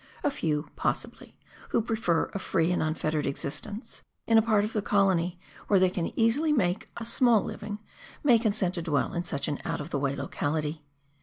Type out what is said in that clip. A few, possibly, who prefer a free and unfettered existence in a part of the colony where they can easily make a small living, may consent to dwell in such an out of the way locality.